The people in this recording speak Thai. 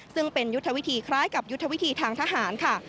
ซึ่งเป็นยุทธวิธีคล้ายกับยุทธวิธีทางทหารค่ะ